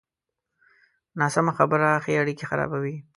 ناسمه خبره ښې اړیکې خرابوي.